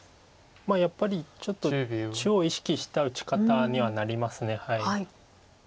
やっぱりちょっと中央を意識した打ち方にはなります。